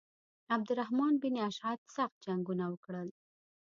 عبدالرحمن بن اشعث سخت جنګونه وکړل.